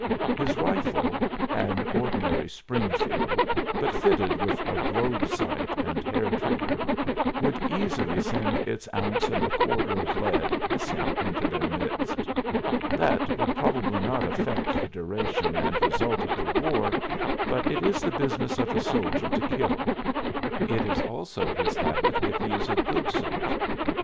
His rifle an ordinary "Springfield," but fitted with a globe sight and hair trigger would easily send its ounce and a quarter of lead hissing into their midst. That would probably not affect the duration and result of the war, but it is the business of a soldier to kill. It is also his habit if he is a good soldier.